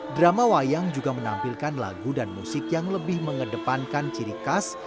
drama wayang juga menampilkan lagu dan musik yang lebih mengedepankan ciri khas